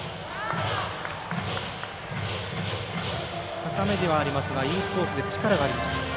高めではありますがインコース力がありました。